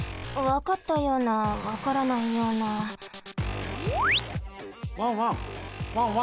わかったようなわからないような。